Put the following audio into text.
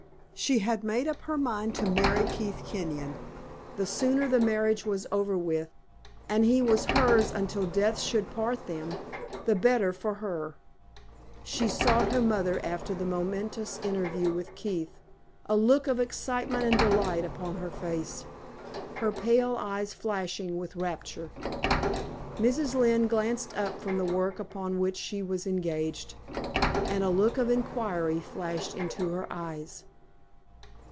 She had made up her mind to marry Keith Kenyon; the sooner the marriage was over with, and he was hers until death should part them, the better for her. She sought her mother after the momentous interview with Keith, a look of excitement and delight upon her face, her pale eyes flashing with rapture. Mrs. Lynne glanced up from the work upon which she was engaged, and a look of inquiry flashed into her eyes.